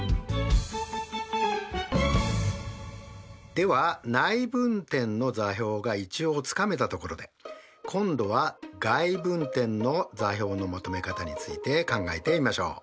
では内分点の座標が一応つかめたところで今度は外分点の座標の求め方について考えてみましょう。